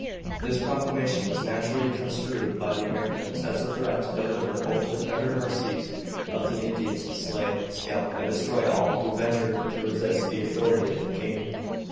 This proclamation was naturally construed by the Americans as a threat to deliver over to the tender mercies of the Indians to slay, scalp, and destroy all who ventured to resist the authority of the king.